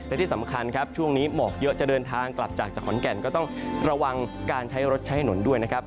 และที่สำคัญครับช่วงนี้หมอกเยอะจะเดินทางกลับจากขอนแก่นก็ต้องระวังการใช้รถใช้ถนนด้วยนะครับ